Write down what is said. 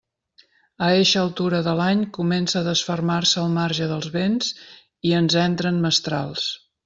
A eixa altura de l'any comença a desfermar-se el marge dels vents i ens entren mestrals.